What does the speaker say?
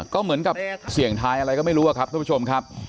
ก็เหมือนกับเสี่ยงทายอะไรก็ไม่รู้อะครับทุกผู้ชมครับ